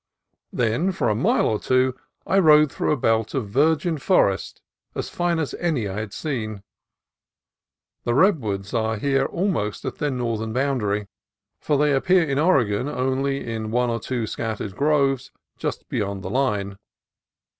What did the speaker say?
Then for a mile or two I rode through a belt of virgin forest as fine as any I had seen. The red woods are here almost at their northern boundary, for they appear in Oregon only in one or two scat tered groves just beyond the line.